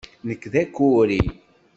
Nekk d akuri.